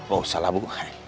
oh salah bu